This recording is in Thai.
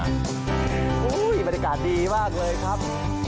โอ้โหบรรยากาศดีมากเลยครับ